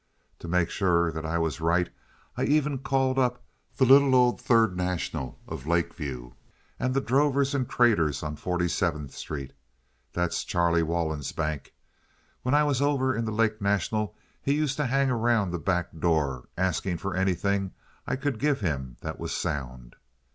To make sure that I was right I even called up the little old Third National of Lake View and the Drovers and Traders on Forty seventh Street. That's Charlie Wallin's bank. When I was over in the Lake National he used to hang around the back door asking for anything I could give him that was sound.